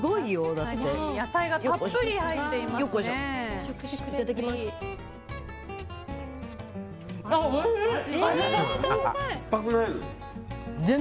野菜がたっぷり入っていますね。